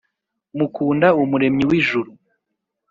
mukunda umuremyi w'ijuru,